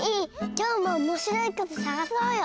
今日もおもしろいことさがそうよ！